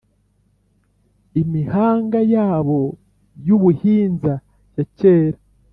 imihanga yabo y’ubuhinza ya cyera